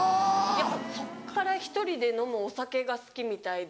やっぱそっから１人で飲むお酒が好きみたいで。